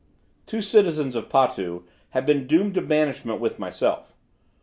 Two citizens of Potu had been doomed to banishment with myself.